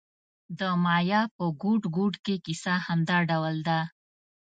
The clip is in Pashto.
د مایا په ګوټ ګوټ کې کیسه همدا ډول ده